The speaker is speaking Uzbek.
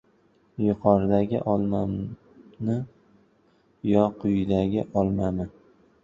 Yuqoridagini olamanmi yo quyidagini olamanmi?